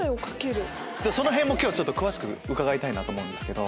そのへんも今日は詳しく伺いたいなと思うんですけど。